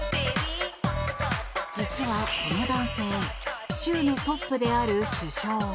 実は、この男性州のトップである首相。